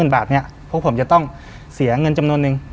แบบนี้พวกผมจะต้องเสียเงินจำนวนนึง